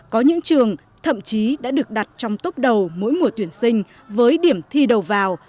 có những trường thậm chí đã được đặt trong tốc đầu mỗi mùa tuyển sinh với điểm thi đầu vào